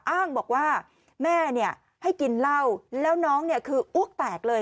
อ้างบอกว่าแม่ให้กินเล่าแล้วน้องคืออุ๊กแตกเลย